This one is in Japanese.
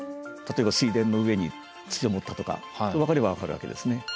例えば水田の上に土を盛ったとか分かれば分かるわけですね。